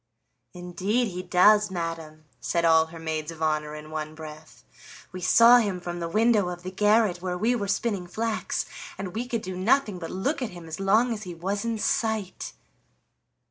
"Indeed he does, madam," said all her maids of honor in one breath. "We saw him from the window of the garret where we were spinning flax, and we could do nothing but look at him as long as he was in sight."